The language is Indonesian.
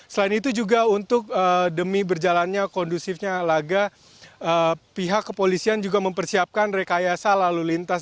selain itu juga untuk demi berjalannya kondusifnya laga pihak kepolisian juga mempersiapkan rekayasa lalu lintas